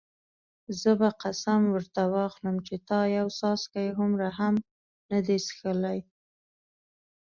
زه به قسم ورته واخلم چې تا یو څاڅکی هومره هم نه دی څښلی.